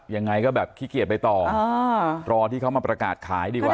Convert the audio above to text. ยังไงก็แบบขี้เกียจไปต่อรอที่เขามาประกาศขายดีกว่า